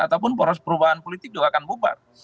ataupun poros perubahan politik juga akan bubar